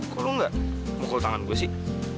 kok lo gak mukul tangan gue sih